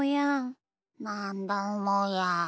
なんだもや？